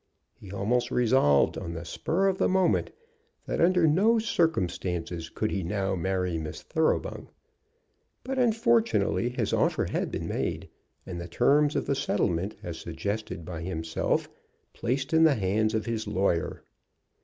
He almost resolved, on the spur of the moment, that under no circumstances could he now marry Miss Thoroughbung. But unfortunately his offer had been made, and the terms of the settlement, as suggested by himself, placed in the hands of his lawyer.